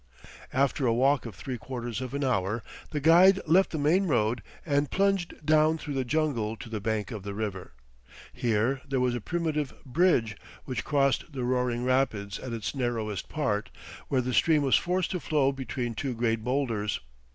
After a walk of three quarters of an hour the guide left the main road and plunged down through the jungle to the bank of the river. Here there was a primitive "bridge" which crossed the roaring rapids at its narrowest part, where the stream was forced to flow between two great boulders.